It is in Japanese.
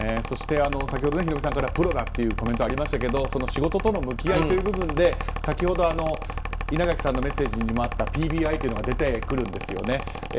そして、先ほどヒロミさんからプロだというコメントもありましたけど仕事との向き合いという部分で先ほど、稲垣さんのメッセージにもあったＰＢＩというのが出てくるんですよね。